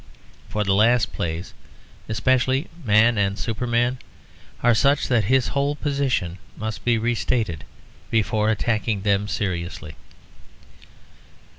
For the last plays, especially Man and Superman, are such that his whole position must be re stated before attacking them seriously.